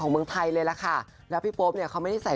เมืองไทยเลยล่ะค่ะแล้วพี่โป๊ปเนี่ยเขาไม่ได้ใส่